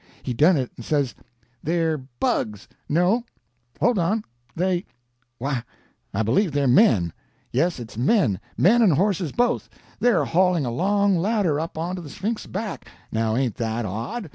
He done it, and says: "They're bugs. No—hold on; they—why, I believe they're men. Yes, it's men—men and horses both. They're hauling a long ladder up onto the Sphinx's back—now ain't that odd?